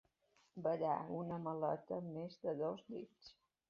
Badar una maleta més de dos dits.